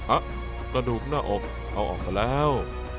กระดูกหน้าอกเอาออกไปแล้ว